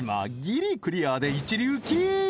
ギリクリアで一流キープ